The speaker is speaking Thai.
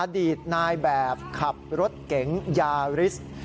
อดีตนายแบบขับรถเก๋งยาริส